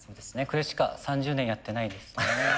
これしか３０年やってないですね。